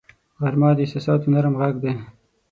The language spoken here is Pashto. غرمه د احساساتو نرم غږ دی